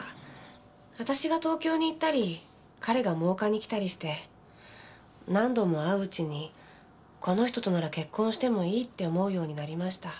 私が東京に行ったり彼が真岡に来たりして何度も会ううちにこの人となら結婚してもいいって思うようになりました。